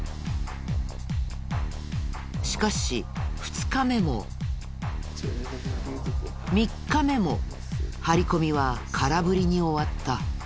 しかし２日目も３日目も張り込みは空振りに終わった。